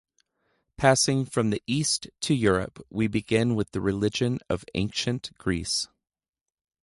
Passing from the East to Europe, we begin with the religion of ancient Greece.